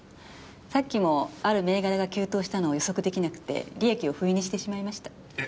さっきもある銘柄が急騰したのを予測できなくて利益をフイにしてしまいました。